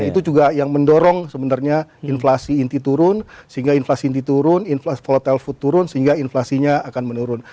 itu juga yang mendorong sebenarnya inflasi inti turun sehingga inflasi inti turun inflasi volatile food turun sehingga inflasinya akan menurun